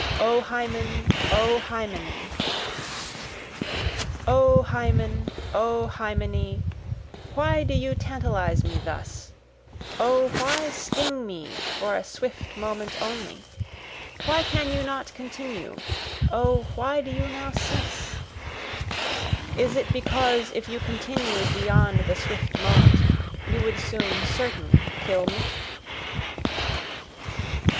O Hymen! O Hymenee! O hymen! O hymenee! why do you tantalize me thus? O why sting me for a swift moment only? Why can you not continue? O why do you now cease? Is it because if you continued beyond the swift moment you would soon certainly kill me?